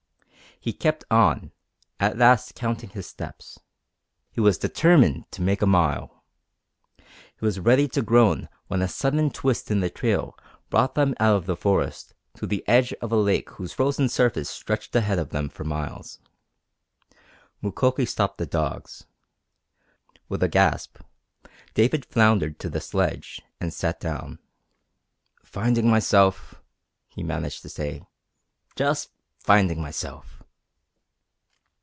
He kept on, at last counting his steps. He was determined to make a mile. He was ready to groan when a sudden twist in the trail brought them out of the forest to the edge of a lake whose frozen surface stretched ahead of them for miles. Mukoki stopped the dogs. With a gasp David floundered to the sledge and sat down. "Finding myself," he managed to say. "Just finding myself!"